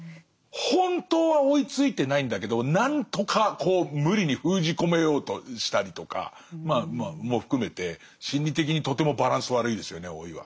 本当は追いついてないんだけど何とかこう無理に封じ込めようとしたりとかまあまあも含めて心理的にとてもバランス悪いですよね老いは。